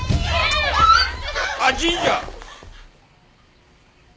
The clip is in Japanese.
あっ神社！